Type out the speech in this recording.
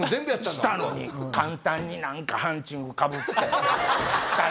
したのに簡単に何かハンチングかぶって。